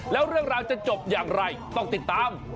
แล้วเรื่องราวจะจบอย่างไรต้องติดตาม